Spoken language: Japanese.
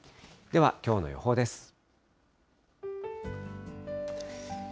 ではきょうの予報です。